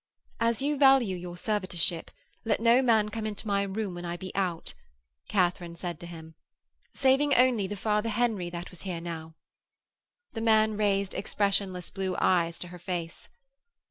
'As you value your servitorship, let no man come into my room when I be out,' Katharine said to him. 'Saving only the Father Henry that was here now.' The man raised expressionless blue eyes to her face.